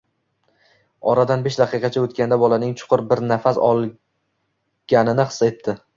Oradan besh daqiqacha o'tganda bolaning chuqur bir nafas olganini his etdi.